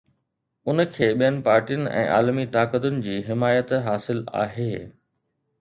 ان کي ٻين پارٽين ۽ عالمي طاقتن جي حمايت حاصل آهي.